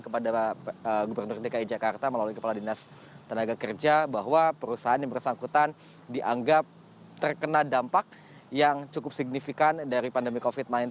kepada gubernur dki jakarta melalui kepala dinas tenaga kerja bahwa perusahaan yang bersangkutan dianggap terkena dampak yang cukup signifikan dari pandemi covid sembilan belas